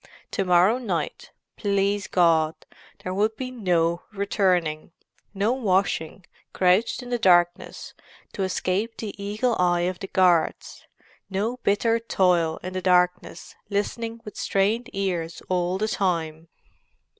To morrow night, please God, there would be no returning; no washing, crouched in the darkness, to escape the eagle eye of the guards; no bitter toil in the darkness, listening with strained ears all the while.